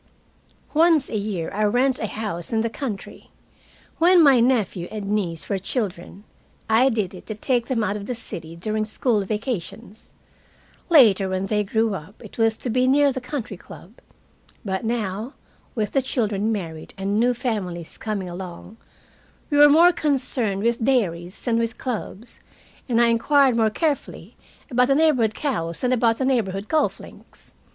Once a year I rent a house in the country. When my nephew and niece were children, I did it to take them out of the city during school vacations. Later, when they grew up, it was to be near the country club. But now, with the children married and new families coming along, we were more concerned with dairies than with clubs, and I inquired more carefully about the neighborhood cows than about the neighborhood golf links.